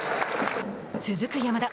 続く山田。